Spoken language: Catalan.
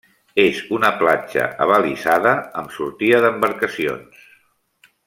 És una platja abalisada amb sortida d'embarcacions.